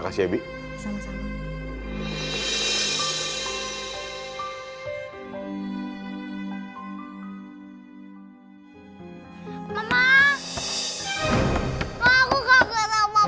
cuat tapi ga pelancong